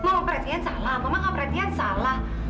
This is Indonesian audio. mama perhatian salah mama nggak perhatian salah